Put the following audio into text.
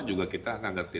juga kita akan ngerti